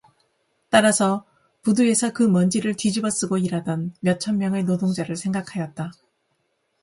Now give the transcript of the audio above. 따라서 부두에서 그 먼지를 뒤집어쓰고 일하던 몇천 명의 노동자를 생각하였다.